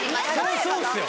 そりゃそうですよ